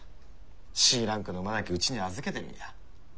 Ｃランクの馬だけうちに預けてるんや。